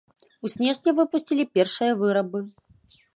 У снежні выпусцілі першыя вырабы.